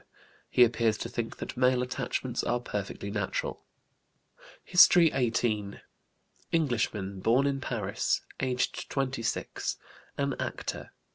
He appears to think that male attachments are perfectly natural. HISTORY XVIII. Englishman, born in Paris; aged 26; an actor.